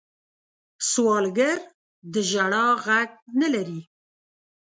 سوالګر د ژړا غږ نه لري